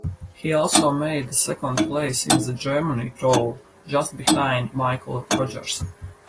He also made a second place in the Germany Tour, just behind Michael Rogers.